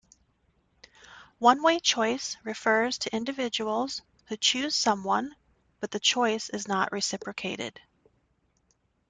One-Way Choice refers to individuals who choose someone but the choice is not reciprocated.